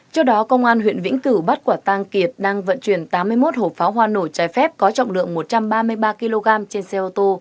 trước đó công an huyện vĩnh cửu bắt quả tang kiệt đang vận chuyển tám mươi một hộp pháo hoa nổi trái phép có trọng lượng một trăm ba mươi ba kg trên xe ô tô